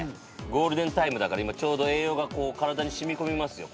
ゴールデンタイムだから今栄養が体に染み込みますよ。